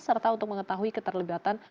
serta untuk mengetahui keterlibatan